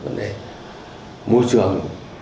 vấn đề môi trường